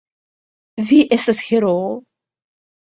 Vi estas heroo!